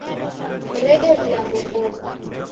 Mrede vilambo vose